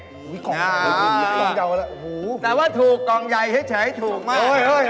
แต่ว่าถูกกองใหญ่ให้ฉายถูกมาก